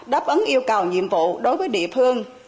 đáp ứng yêu cầu nhiệm vụ đối với địa phương